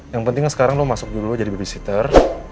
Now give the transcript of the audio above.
yang penting sekarang lo masuk dulu jadi babysitter